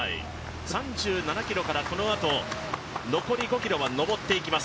３７ｋｍからこのあと、残り５ｋｍは上っていきます。